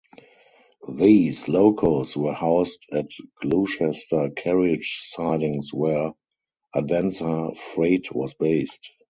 These locos were housed at Gloucester Carriage Sidings where Advenza Freight was based.